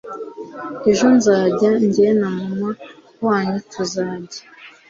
ejo nzajya njye na mama wanyu tuzajya